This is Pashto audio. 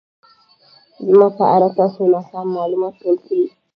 زما په اړه تاسو ناسم مالومات ټول کړي